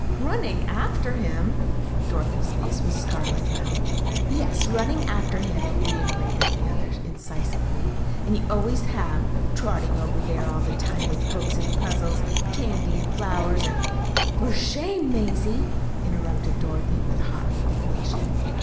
"RUNNING AFTER HIM!" Dorothy's face was scarlet now. "Yes, running after him," reiterated the other incisively; "and you always have trotting over there all the time with books and puzzles and candy and flowers. And " "For shame, Mazie!" interrupted Dorothy, with hot indignation.